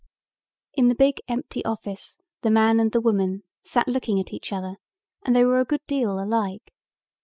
In the big empty office the man and the woman sat looking at each other and they were a good deal alike.